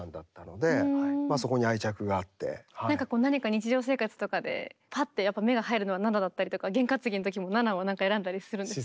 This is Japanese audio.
何か日常生活とかでパッてやっぱ目が入るのは７だったりとか験担ぎの時も７を選んだりするんですか？